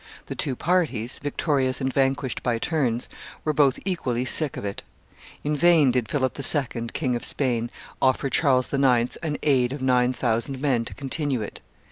The two parties, victorious and vanquished by turns, were both equally sick of it. In vain did Philip II., King of Spain, offer Charles IX. an aid of nine thousand men to continue it.